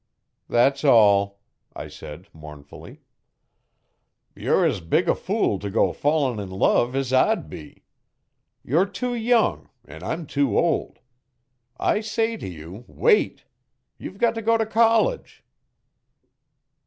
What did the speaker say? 'That's all,' I said mournfully. 'Ye're as big a fool to go falling in love as I'd be. Ye're too young an' I'm too old. I say to you, wait. Ye've got to go t' college.'